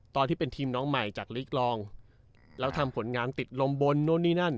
ตอนที่เป็นทีมน้องใหม่จากลีกรองแล้วทำผลงานติดลมบนนู่นนี่นั่น